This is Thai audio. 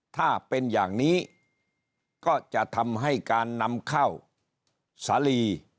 ถ้าเป็นอย่างนี้ก็จะทำให้การนำเข้าสาลี